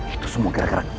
itu semua gara gara kamu